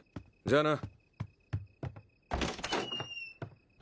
じゃあな。